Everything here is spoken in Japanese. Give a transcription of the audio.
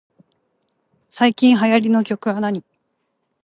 最近流行りの曲はなに